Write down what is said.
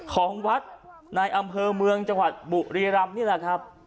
ของวัดในอำเภอเมืองจังหวัดบุรีรำนี่แหละครับ